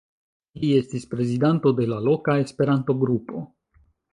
Li estis prezidanto de la loka Esperanto-grupo.